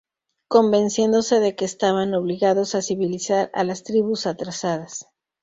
convenciéndose de que estaban obligados a civilizar a las tribus “atrasadas“